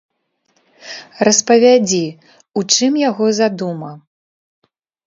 Распавядзі, у чым яго задума.